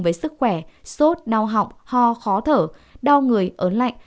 với sức khỏe sốt đau họng ho khó thở đau người ớn lạnh